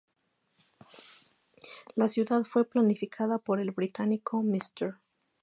La ciudad fue planificada por el británico Mr.